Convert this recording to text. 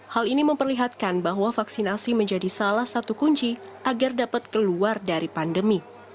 hal ini memperlihatkan bahwa vaksinasi menjadi salah satu kunci agar dapat keluar dari pandemi